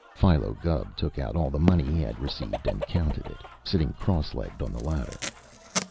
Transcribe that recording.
Philo Gubb took out all the money he had received and counted it, sitting cross legged on the ladder.